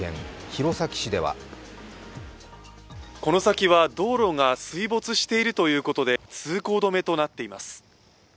弘前市ではこの先は道路が水没しているということで通行止めとなっています。